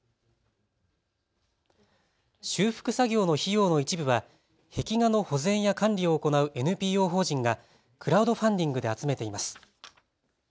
修復作業の費用の一部は壁画の保全や管理を行うＮＰＯ法人がクラウドファンディングで集めています。